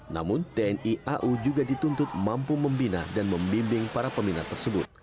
namun tni au juga dituntut mampu membina dan membimbing para peminat tersebut